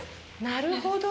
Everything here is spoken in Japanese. なるほど。